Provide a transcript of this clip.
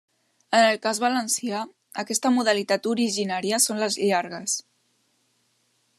En el cas valencià, aquesta modalitat originària són les Llargues.